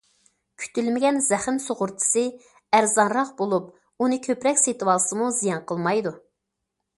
كۈتۈلمىگەن زەخىم سۇغۇرتىسى ئەرزانراق بولۇپ، ئۇنى كۆپرەك سېتىۋالسىمۇ زىيان قىلمايدۇ.